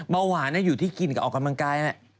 เบาหวานอยู่ที่กินกับออกกำลังกาย